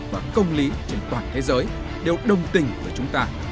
và công lý trên toàn thế giới đều đồng tình với chúng ta